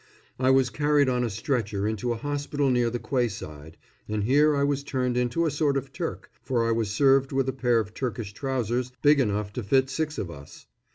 I was carried on a stretcher into a hospital near the quayside, and here I was turned into a sort of Turk, for I was served with a pair of Turkish trousers big enough to fit six of us.